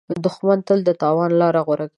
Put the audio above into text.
دښمن تل د تاوان لاره غوره کوي